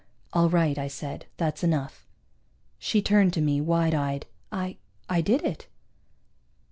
"All right," I said. "That's enough." She turned to me, wide eyed. "I I did it."